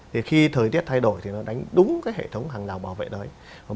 thì khi thời tiết thay đổi thì nó đánh đúng cái hệ thống hàng rào bảo vệ đấy